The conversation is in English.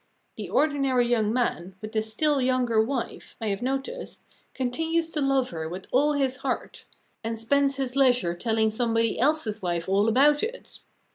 The ordinary young man, with the still younger wife, I have noticed, continues to love her with all his heart and spends his leisure telling somebody else's wife all about it.